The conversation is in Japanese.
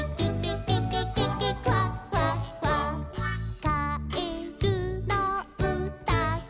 「かえるのうたが」